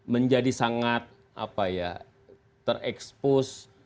menjadi sangat terekspos